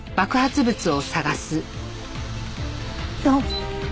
どう？